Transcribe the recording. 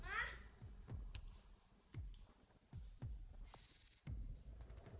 datang sendiri pulang juga sendiri